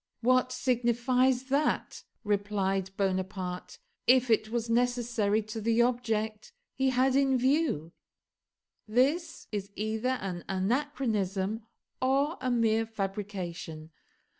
"What signifies that," replied Bonaparte, "if it was necessary to the object he had in view?" This is either an anachronism or a mere fabrication.